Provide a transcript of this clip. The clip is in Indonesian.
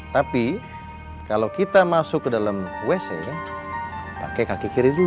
tapi kalau kita masuk ke dalam wc pakai kaki kiri dulu